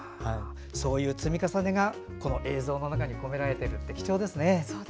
そういう積み重ねが映像の中に込められて貴重ですね。